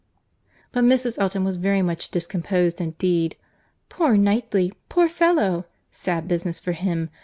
—But Mrs. Elton was very much discomposed indeed.—"Poor Knightley! poor fellow!—sad business for him."